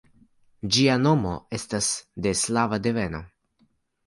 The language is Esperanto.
Ĝia nomo estas de slava deveno.